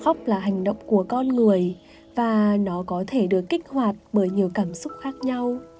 khóc là hành động của con người và nó có thể được kích hoạt bởi nhiều cảm xúc khác nhau